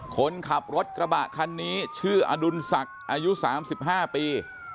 คนขับรถกระบะคันนี้ชื่ออดุลศักดิ์อายุ๓๕ปี